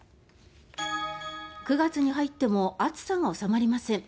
９月に入っても暑さが収まりません。